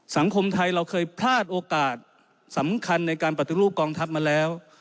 สังคมไทยเราเคยพลาดโอกาสสำคัญในการปฏิรูปกองทัพมาแล้ว